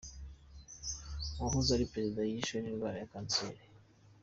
Uwahoze ari perezida yishwe n’indwara ya kanseri